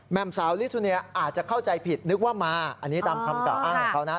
มสาวลิทูเนียอาจจะเข้าใจผิดนึกว่ามาอันนี้ตามคำกล่าวอ้างของเขานะ